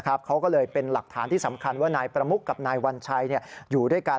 เขาก็เลยเป็นหลักฐานที่สำคัญว่านายประมุกกับนายวัญชัยอยู่ด้วยกัน